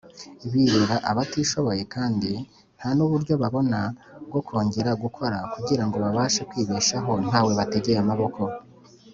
birera batishoboye kandi ntanuburyo babona bwo kongera gukora kugira babashe kwibeshaho ntawe bategeye amaboko .